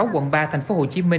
quận ba tp hcm